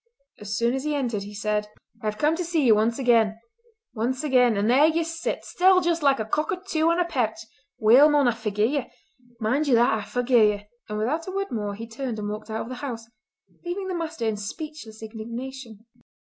As soon as he entered he said: "I have come to see ye once again—once again; and there ye sit, still just like a cockatoo on a pairch. Weel, mon, I forgie ye! Mind ye that, I forgie ye!" And without a word more he turned and walked out of the house, leaving the master in speechless indignation.